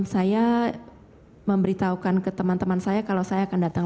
saya memberitahukan ke teman teman saya kalau saya akan datang